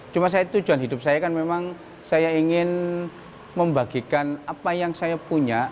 cuma tujuan hidup saya kan memang saya ingin membagikan apa yang saya punya